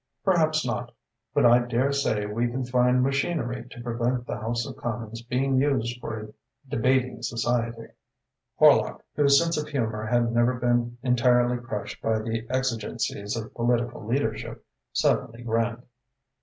"Perhaps not, but I dare say we can find machinery to prevent the house of Commons being used for a debating society." Horlock, whose sense of humour had never been entirely crushed by the exigencies of political leadership, suddenly grinned.